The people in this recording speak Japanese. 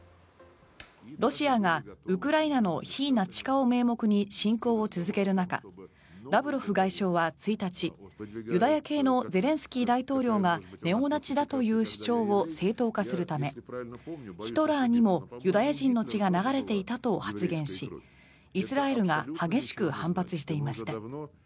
ロシアがウクライナの非ナチ化を名目に侵攻を続ける中ラブロフ外相は１日ユダヤ系のゼレンスキー大統領がネオナチだという主張を正当化するためヒトラーにもユダヤ人の血が流れていたと発言しイスラエルが激しく反発していました。